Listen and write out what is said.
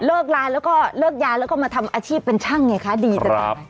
ร้านแล้วก็เลิกยาแล้วก็มาทำอาชีพเป็นช่างไงคะดีจะตาย